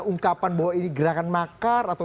ungkapan bahwa ini gerakan makar atau